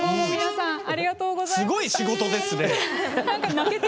すごい仕事ですね。